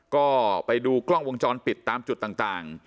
ก็ไปดูกล้องวงจรปิดตามจุดต่าง